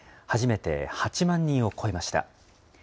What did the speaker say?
初めて８万人を超えました。